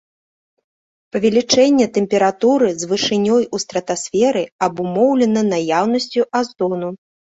Павелічэнне тэмпературы з вышынёй у стратасферы абумоўлена наяўнасцю азону.